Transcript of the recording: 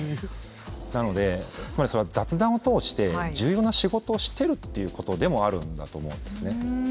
なので雑談を通して重要な仕事をしているということでもあるんだと思うんですね。